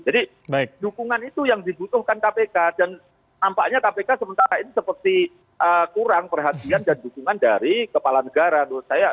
jadi dukungan itu yang dibutuhkan kpk dan nampaknya kpk sementara ini seperti kurang perhatian dan dukungan dari kepala negara menurut saya